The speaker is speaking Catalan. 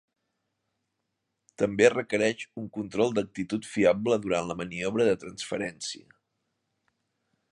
També requereix un control d'actitud fiable durant la maniobra de transferència.